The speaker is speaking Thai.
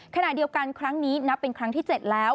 ขณะเดียวกันครั้งนี้นับเป็นครั้งที่๗แล้ว